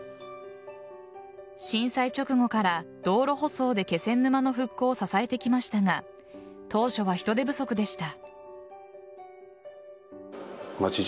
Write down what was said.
震災直後から道路舗装で気仙沼の復興を支えてきましたが当初は人手不足でした。